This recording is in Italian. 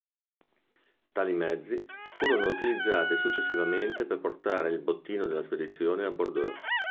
Tali mezzi furono utilizzati successivamente per portare il bottino della spedizione a Bordeaux.